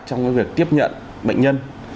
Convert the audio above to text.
trong cái việc tiếp nhận bệnh nhân